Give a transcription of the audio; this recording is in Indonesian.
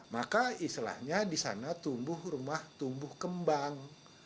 maka istilahnya di sana tumbuh rumah tumbuh kembang